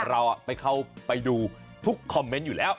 เราเข้าไปดูทุกคอมเมนต์อยู่แล้ว